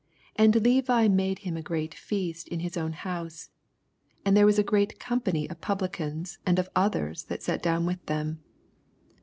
29 And Levi made him a great feast in his own house: and there was a great company of Publicans and of others that sat down with them.